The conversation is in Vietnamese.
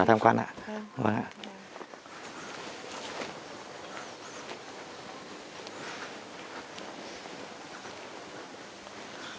cái hệ phái nam tông